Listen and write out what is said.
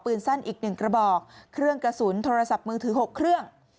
สั้นอีก๑กระบอกเครื่องกระสุนโทรศัพท์มือถือ๖เครื่อง